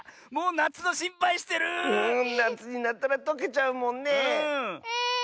なつになったらとけちゃうもんねえ。